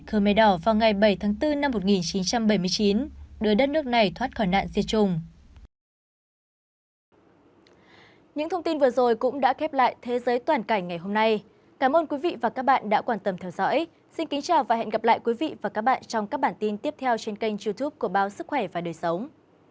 khmer đỏ vào ngày bảy tháng bốn năm một nghìn chín trăm bảy mươi chín đưa đất nước này thoát khỏi nạn diệt chùng